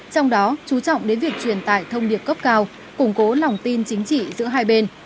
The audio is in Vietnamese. trong đó chú trọng đến việc truyền tải thông điệp cấp cao củng cố lòng tin chính trị giữa hai bên